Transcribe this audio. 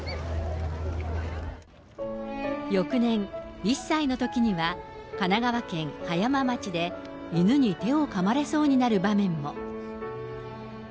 翌年、１歳のときには、神奈川県葉山町で犬に手をかまれそうになる場面も。